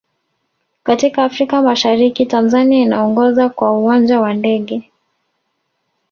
katika afrika mashariki tanzania inaongoza kwa uwanja wa ndege